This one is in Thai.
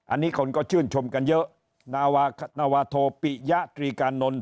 อันนี้คนก็ชื่นชมกันเยอะนาวานวาโทปิยะตรีกานนท์